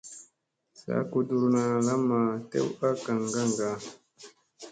Saa kuɗuruna lamma tew a gaŋ kaŋga.